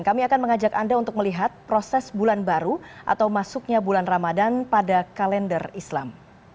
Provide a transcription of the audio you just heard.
kami akan mengajak anda untuk melihat proses bulan baru atau masuknya bulan ramadan pada kalender islam